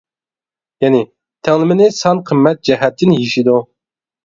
يەنى تەڭلىمىنى سان قىممەت جەھەتتىن يېشىدۇ.